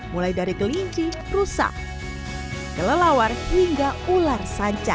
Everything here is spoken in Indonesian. mulai dari kelinci rusak kelelawar hingga ular sanca